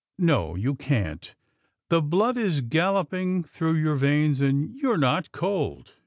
" No, you can't. The blood is galloping through your veins, and you're not cold.